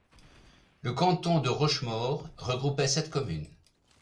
Le canton de Rochemaure regroupait sept communes.